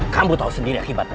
kamu tahu sendiri akibatnya